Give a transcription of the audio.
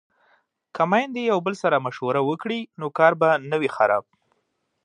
که میندې یو بل سره مشوره وکړي نو کار به نه وي خراب.